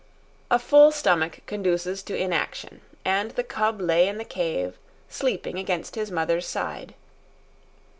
A full stomach conduces to inaction, and the cub lay in the cave, sleeping against his mother's side.